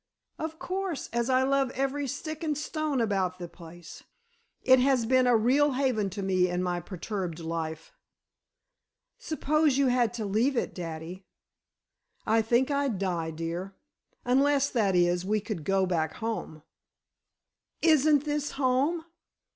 "Of course, as I love every stick and stone about the place. It has been a real haven to me in my perturbed life." "Suppose you had to leave it, daddy?" "I think I'd die, dear. Unless, that is, we could go back home." "Isn't this home?"